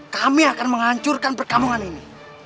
kami akan menghancurkan perkampungan ini